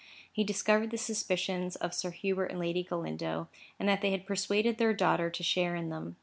He discovered the suspicions of Sir Hubert and Lady Galindo, and that they had persuaded their daughter to share in them.